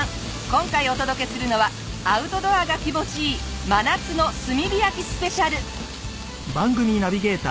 今回お届けするのはアウトドアが気持ちいい真夏の炭火焼きスペシャル。